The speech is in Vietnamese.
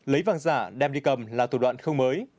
lấy vàng giả đem đi cầm là thủ đoạn không mới